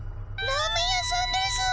ラーメン屋さんですぅ。